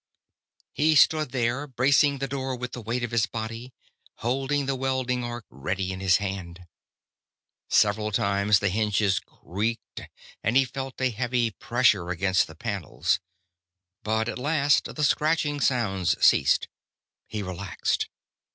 He stood there, bracing the door with the weight of his body, holding the welding arc ready in his hand. Several times the hinges creaked, and he felt a heavy pressure against the panels. But at last the scratching sounds ceased. He relaxed.